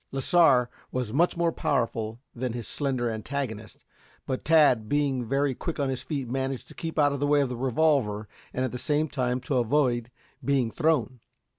Lasar was much more powerful than his slender antagonist, but Tad being very quick on his feet managed to keep out of the way of the revolver and at the same time to avoid being thrown.